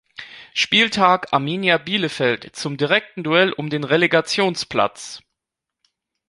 Spieltag Arminia Bielefeld zum direkten Duell um den Relegationsplatz.